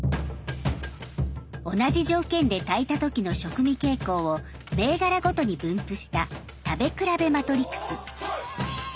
同じ条件で炊いた時の食味傾向を銘柄ごとに分布した食べ比べマトリクス。